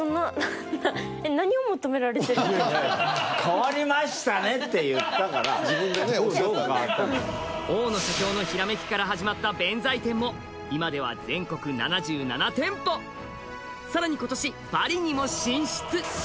「変わりましたね」って言ったから自分でねおっしゃったんで大野社長のひらめきから始まった弁才天も今では全国７７店舗さらに今年パリにも進出！